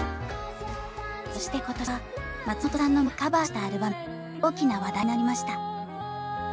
そして今年は松本さんの名曲をカバーしたアルバムが大きな話題になりました。